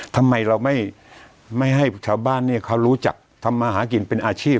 ทำไมเราไม่ให้ชาวบ้านเนี่ยเขารู้จักทำมาหากินเป็นอาชีพ